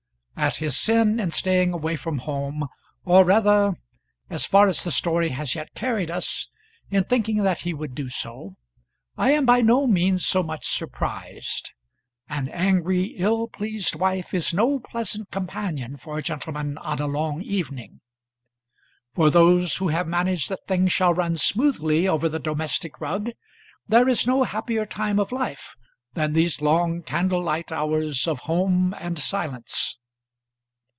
At his sin in staying away from home, or rather as far as the story has yet carried us in thinking that he would do so, I am by no means so much surprised. An angry ill pleased wife is no pleasant companion for a gentleman on a long evening. For those who have managed that things shall run smoothly over the domestic rug there is no happier time of life than these long candlelight hours of home and silence.